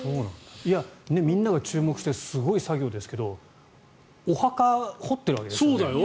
みんなが注目してすごい作業ですけどお墓を掘ってるわけですよね。